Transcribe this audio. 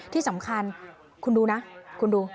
ที่สำคัญคุณดูนะคุณดู